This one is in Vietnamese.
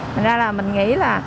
thật ra là mình nghĩ là